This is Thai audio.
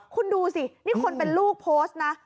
คุณดูสินี่คนเป็นลูกโพสต์นะ